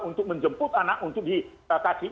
untuk menjemput anak untuk dikasih